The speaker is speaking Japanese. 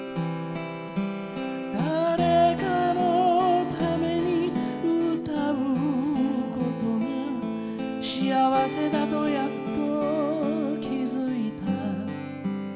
「誰かのために歌うことが幸せだとやっと気づいた」